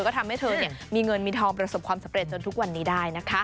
ก็ทำให้เธอมีเงินมีทองประสบความสำเร็จจนทุกวันนี้ได้นะคะ